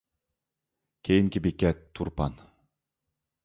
كېيىنكى بېكەت تۇرپان.